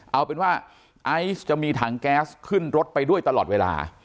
เอาเป็นว่าไอซ์จะมีถังแก๊สขึ้นรถไปด้วยตลอดเวลา